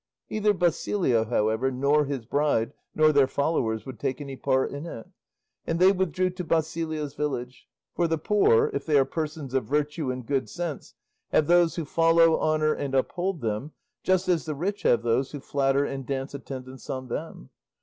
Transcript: Neither Basilio, however, nor his bride, nor their followers would take any part in it, and they withdrew to Basilio's village; for the poor, if they are persons of virtue and good sense, have those who follow, honour, and uphold them, just as the rich have those who flatter and dance attendance on them.